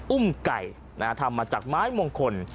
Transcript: อุ้มไก่ทำมาจากไม้มงคล